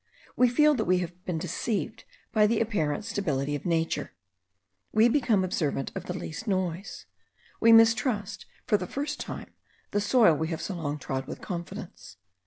We feel that we have been deceived by the apparent stability of nature; we become observant of the least noise; we mistrust for the first time the soil we have so long trod with confidence.